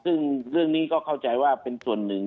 ซึ่งเรื่องนี้ก็เข้าใจว่าเป็นส่วนหนึ่ง